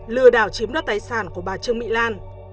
lừa đảo chiếm đoạt tài sản của bà trương mỹ lan